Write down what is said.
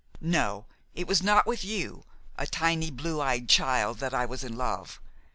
No, it was not with you, a tiny blue eyed child, that I was in love.